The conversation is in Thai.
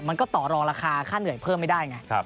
ต่อรองราคาค่าเหนื่อยเพิ่มไม่ได้ไง